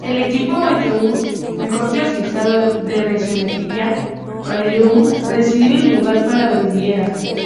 El equipo amateur mejor clasificado de Regionalliga Bayern recibe el lugar para Baviera.